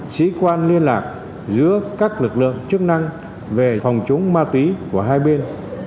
sĩ quan liên lạc giữa các lực lượng chức năng về phòng chống ma túy của hai bên